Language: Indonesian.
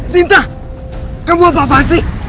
sinta kamu apaan sih